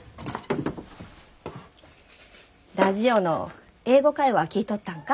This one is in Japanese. ラジオの「英語会話」聴いとったんか？